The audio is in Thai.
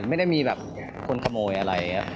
ไม่ได้มีแบบคนขโมยอะไร